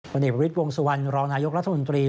วันนี้บริษฐ์วงศ์สุวรรณรองนายกรัฐมนตรี